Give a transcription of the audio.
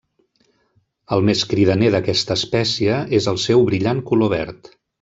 El més cridaner d'aquesta espècie és el seu brillant color verd.